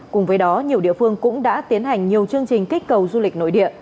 cùng với đó nhiều địa phương cũng đã tiến hành nhiều chương trình kích cầu du lịch nội địa